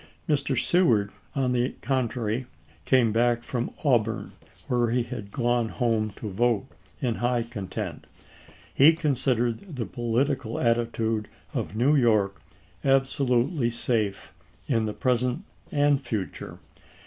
Mr. Seward, on the Nov. 3,1864. contrary, came back from Auburn, where he had gone home to vote, in high content. He con sidered the political attitude of New York abso lutely safe in the present and future.